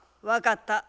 分かった。